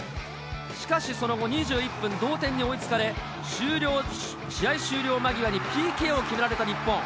しかしその後２１分、同点に追いつかれ、試合終了間際にＰＫを決められた日本。